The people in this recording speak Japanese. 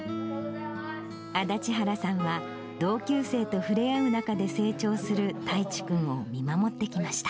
足立原さんは、同級生とふれあう中で成長する大知君を見守ってきました。